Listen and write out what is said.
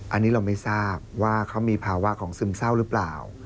อันนี้เราไม่ทราบว่าเขามีภาวะของซึมเศร้าหรือเปล่า